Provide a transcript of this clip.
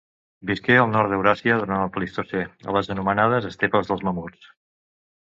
Visqué al nord d'Euràsia durant el Plistocè, a les anomenades estepes dels mamuts.